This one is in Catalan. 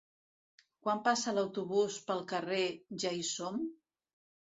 Quan passa l'autobús pel carrer Ja-hi-som?